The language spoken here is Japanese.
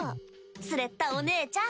スレッタお姉ちゃん。